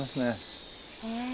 へえ。